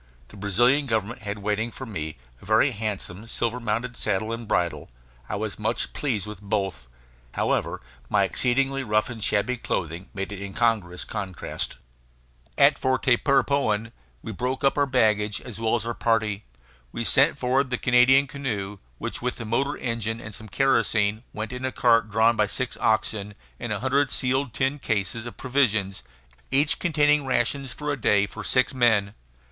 The Brazilian Government had waiting for me a very handsome silver mounted saddle and bridle; I was much pleased with both. However, my exceedingly rough and shabby clothing made an incongruous contrast. At Tapirapoan we broke up our baggage as well as our party. We sent forward the Canadian canoe which, with the motor engine and some kerosene, went in a cart drawn by six oxen and a hundred sealed tin cases of provisions, each containing rations for a day for six men.